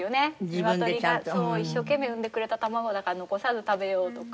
ニワトリが一生懸命産んでくれた卵だから残さず食べようとか。